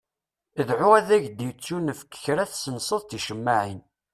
Dεu ad k-d-ittunefk kra tessenseḍ ticemmaεin.